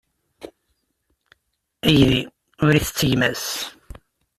Aydi ur ittett gma-s.